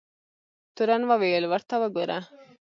تورن وویل ورته وګوره.